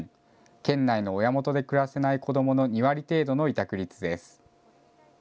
県内の親元で暮らせない子どもの２割程度の委託率です。